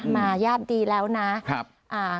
มาญาติดีแล้วนะ